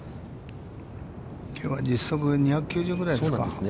きょうは実測が２９０ぐらいですか。